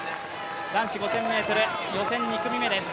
男子５０００ｍ予選２組目です。